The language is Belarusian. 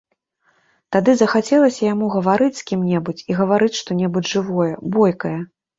Тады захацелася яму гаварыць з кім-небудзь і гаварыць што-небудзь жывое, бойкае.